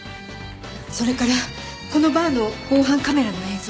それからこのバーの防犯カメラの映像